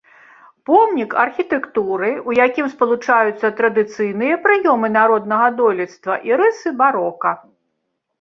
Помнік архітэктуры, у якім спалучаюцца традыцыйныя прыёмы народнага дойлідства і рысы барока.